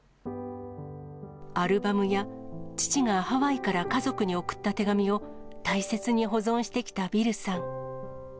アルバムや父がハワイから家族に送った手紙を大切に保存してきたビルさん。